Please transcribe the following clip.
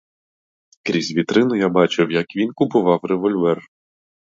Крізь вітрину я бачив, як він купував револьвер.